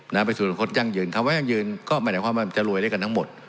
นะไปสู่ส่วนคนยั่งยืนคำว่ายั่งยืนก็หมายถึงความว่ามันจะรวยได้กันทั้งหมด